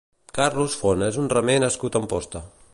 Carlos Front és un remer nascut a Amposta.